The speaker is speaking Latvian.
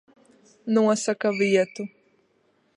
Nosaka vietu.